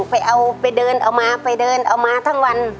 ไปเอาไปเดินเอามาไปเดินเอามาทั้งวัน